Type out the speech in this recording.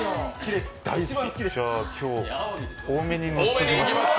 じゃあ今日、多めにのせておきます。